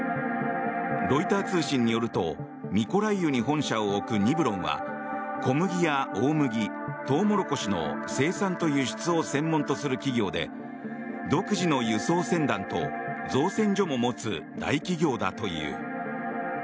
ロイター通信によるとミコライウに本社を置くニブロンは小麦や大麦、トウモロコシの生産と輸出を専門とする企業で独自の輸送船団と造船所も持つ大企業だという。